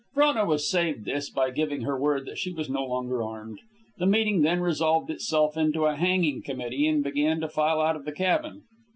Frona was saved this by giving her word that she was no longer armed. The meeting then resolved itself into a hanging committee, and began to file out of the cabin.